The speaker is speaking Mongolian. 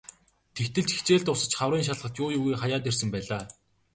Тэгтэл ч хичээл дуусаж хаврын шалгалт юу юугүй хаяанд ирсэн байлаа.